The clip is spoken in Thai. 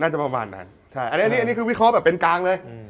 น่าจะประมาณนั้นอันนี้คือวิเคราะห์แบบเป็นกลางเลย